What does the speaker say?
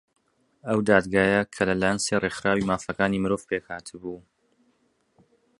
ئەو دادگایە کە لەلایەن سێ ڕێکخراوەی مافەکانی مرۆڤ پێک هاتبوو